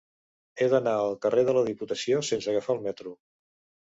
He d'anar al carrer de la Diputació sense agafar el metro.